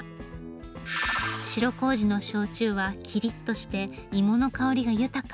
白麹の焼酎はキリッとして芋の香りが豊か。